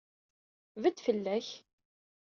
Bedd fell-ak!